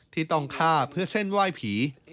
ที่ต้องฆ่าเพื่อเส้นไหว้ผี